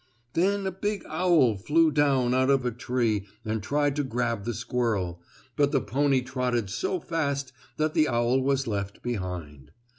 Then a big owl flew down out of a tree and tried to grab the squirrel, but the pony trotted so fast that the owl was left behind.